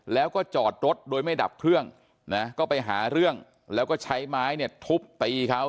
แล้วก็จอดรถโดยไม่ดับเครื่องนะก็ไปหาเรื่องแล้วก็ใช้ไม้เนี่ยทุบตีเขา